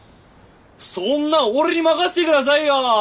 そんなん俺に任せてくださいよ。